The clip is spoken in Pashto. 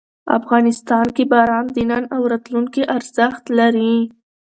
افغانستان کې باران د نن او راتلونکي ارزښت لري.